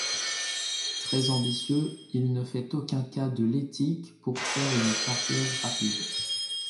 Très ambitieux, il ne fait aucun cas de l'éthique pour faire une carrière rapide.